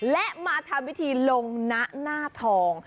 และมาทำพิธีลงนะหน้าทอง